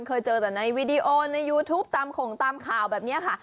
เคยเจอแต่ในวีดีโอในยูทูปตามข่งตามข่าวแบบนี้ค่ะ